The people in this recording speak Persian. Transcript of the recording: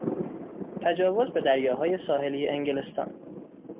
تجاوز به دریاهای ساحلی انگلستان